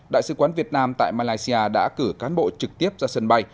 đại sứ quán việt nam tại malaysia đã cử cán bộ trực tiếp ra sân bay